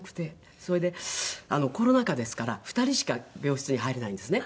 それでコロナ禍ですから２人しか病室に入れないんですね。